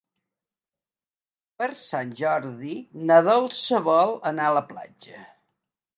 Per Sant Jordi na Dolça vol anar a la platja.